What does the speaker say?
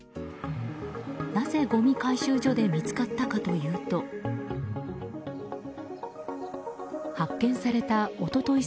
なぜ、ごみ回収所で見つかったかというと発見された一昨日